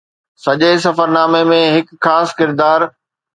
سڄي سفرنامي ۾ هڪ خاص ڪردار